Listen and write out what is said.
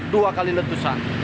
dua kali letusan